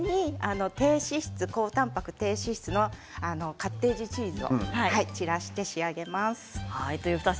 高たんぱく、低脂質のカッテージチーズを散らして仕上げました。